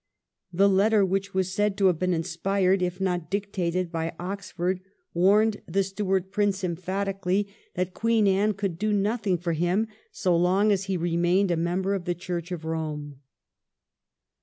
The letter, which was said to have been inspired, if not dictated, by Oxford, warned the Stuart Prince z 2 S40 THE REIGN OF QUEEN ANNE. ch. xxxvil. emphatically that Queen Anne could do nothing for him so long as he remained a member of the Church of Eome.